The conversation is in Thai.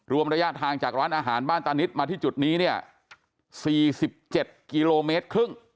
รวมระยะทางจากร้านอาหารบ้านตานิดมาที่จุดนี้๔๗๕กิโลเมตร